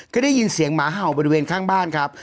ก็ได้ยินเสียงหมาเห่าบริเวณข้างบ้านครับ